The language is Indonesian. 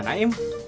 selasa gak ada